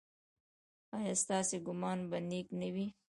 ایا ستاسو ګمان به نیک نه وي؟